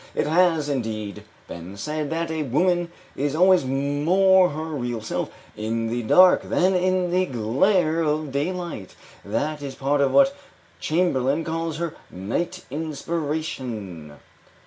It has, indeed, been said that a woman is always more her real self in the dark than in the glare of daylight; this is part of what Chamberlain calls her night inspiration.